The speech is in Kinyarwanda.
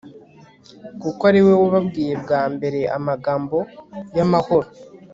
kuko ari we wababwiye bwa mbere amagambo y'amahoro